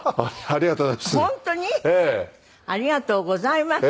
ありがとうございます。